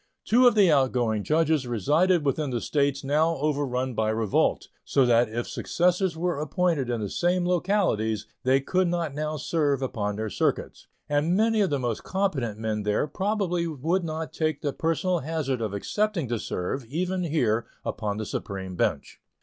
Two of the outgoing judges resided within the States now overrun by revolt, so that if successors were appointed in the same localities they could not now serve upon their circuits; and many of the most competent men there probably would not take the personal hazard of accepting to serve, even here, upon the Supreme bench.